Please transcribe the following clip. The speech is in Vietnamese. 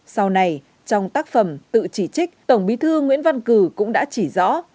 sau này trong tác phẩm tự chỉ trích tổng bí thư nguyễn văn cử cũng đã chỉ rõ